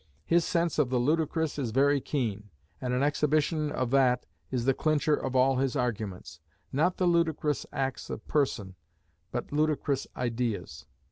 His sense of the ludicrous is very keen; and an exhibition of that is the clincher of all his arguments not the ludicrous acts of persons, but ludicrous ideas.